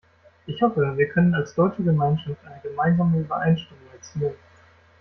Ich hoffe, wir können als deutsche Gemeinschaft eine gemeinsame Übereinstimmung erzielen.